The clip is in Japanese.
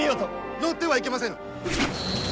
乗ってはいけませぬ！